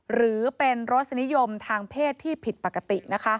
หรือเป็นรสนิยมทางเพศที่ผิดปกติ